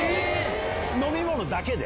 ⁉飲み物だけで？